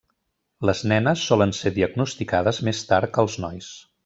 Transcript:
Les nenes solen ser diagnosticades més tard que els nois.